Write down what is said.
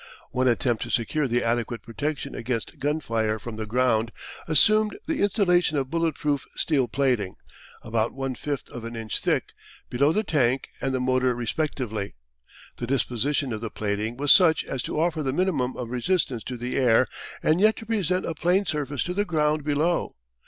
One attempt to secure the adequate protection against gun fire from the ground assumed the installation of bullet proof steel plating, about one fifth of an inch thick, below the tank and the motor respectively. The disposition of the plating was such as to offer the minimum of resistance to the air and yet to present a plane surface to the ground below.